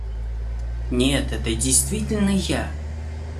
Нет, это действительно я.